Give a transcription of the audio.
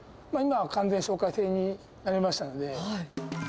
今は完全紹介制になりましたので。